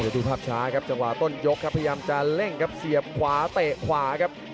ดูภาพช้าครับจังหวะต้นยกครับพยายามจะเร่งครับเสียบขวาเตะขวาครับ